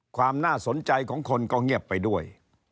ความน่าสนใจของคนก็เงียบไปด้วย